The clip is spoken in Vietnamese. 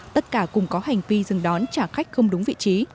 tất cả cùng có hành vi dừng đón trả khách không đúng vị trí